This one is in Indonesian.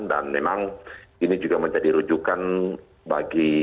dan memang ini juga menjadi rujukan bagi